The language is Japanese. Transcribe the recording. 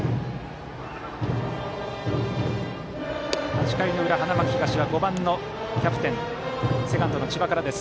８回の裏、花巻東は５番のキャプテンセカンドの千葉からです。